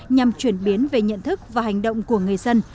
nhằm chuyển biến về nhận thức và hành động của người dân